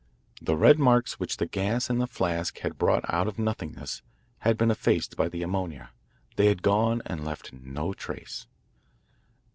The red marks which the gas in the flask had brought out of nothingness had been effaced by the ammonia. They had gone and left no trace.